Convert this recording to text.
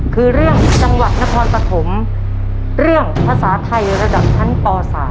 คือเรื่องจังหวัดนครปฐมเรื่องภาษาไทยระดับชั้นป๓